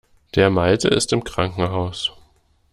Der Malte ist im Krankenhaus.